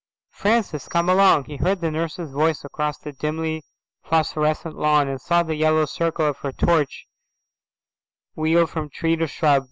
"Francis, come along." He heard the nurse's voice across the dimly phosphorescent lawn and saw the yellow circle of her torch wheel from tree to shrub.